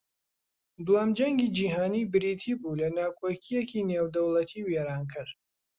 دووەم جەنگی جیھانی بریتی بوو لە ناکۆکییەکی نێودەوڵەتی وێرانکەر